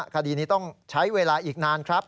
คดีนี้ต้องใช้เวลาอีกนานครับ